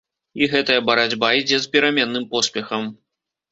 І гэтая барацьба ідзе з пераменным поспехам.